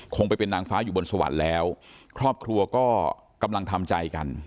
คงไปเป็นนางฟ้าอยู่บนสวรรค์แล้วครอบครัวก็กำลังทำใจกัน